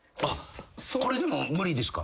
これでも無理ですか？